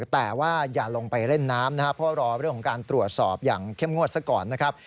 แต่ว่าอย่าลงไปเล่นน้ำนะครับเพราะรอเรื่องของการตรวจสอบอย่างเข้มงวดซะก่อนนะครับ